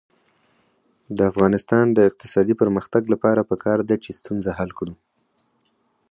د افغانستان د اقتصادي پرمختګ لپاره پکار ده چې ستونزه حل کړو.